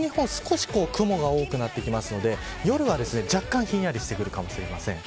少し雲が多くなってきますので夜は若干、ひんやりしてくるかもしれません。